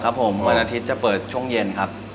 ผมวันอาทิตย์จะเปิดช่วงเย็นครับ